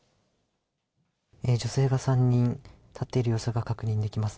女性が３人立っている様子が確認できます。